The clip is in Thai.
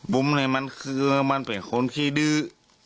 เนี่ยมันคือมันเป็นคนขี้ดื้อ